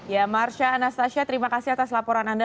ya marsha anastasia terima kasih atas laporan anda